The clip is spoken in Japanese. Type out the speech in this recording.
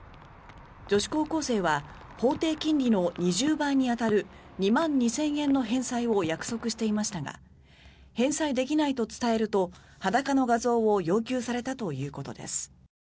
女子高校生は法定金利の２０倍に当たる２万２０００円の返済を約束していましたが返済できないと伝えると裸の画像を要求されたということです。